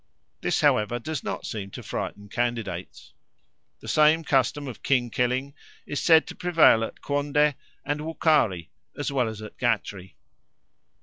This, however, does not seem to frighten candidates. The same custom of king killing is said to prevail at Quonde and Wukari as well as at Gatri."